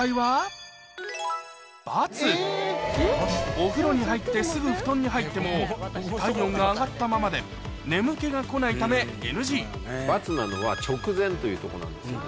お風呂に入ってすぐ布団に入っても体温が上がったままで眠気がこないためＮＧ×なのは直前というとこなんですよね。